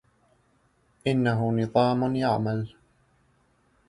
إنه نظامٌ يعمل.